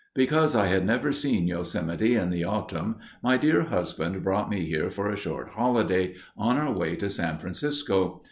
Because I had never seen Yo Semite in the autumn, my dear husband brought me here for a short holiday, on our way to San Francisco.